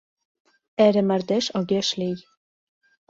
Эре мардеж огеш лий.